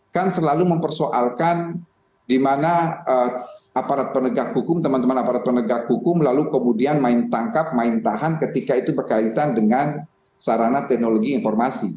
kan selalu mempersoalkan di mana aparat penegak hukum teman teman aparat penegak hukum lalu kemudian main tangkap main tahan ketika itu berkaitan dengan sarana teknologi informasi